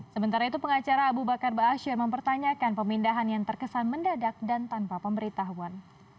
sementara itu pengacara abu bakar ⁇ baasyir ⁇ mempertanyakan pemindahan yang terkesan mendadak dan tanpa pemberitahuan